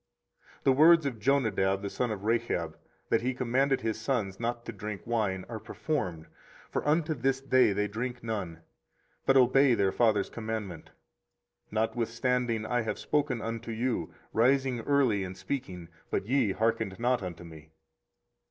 24:035:014 The words of Jonadab the son of Rechab, that he commanded his sons not to drink wine, are performed; for unto this day they drink none, but obey their father's commandment: notwithstanding I have spoken unto you, rising early and speaking; but ye hearkened not unto me.